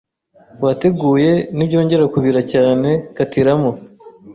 wateguye nibyongera kubira cyane katiramo,